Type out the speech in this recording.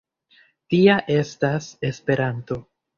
Tia estas Esperanto.